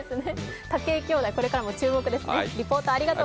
武井きょうだい、これからも注目ですね。